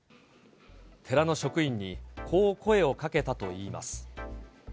寺の職員にこう声をかけたといいます。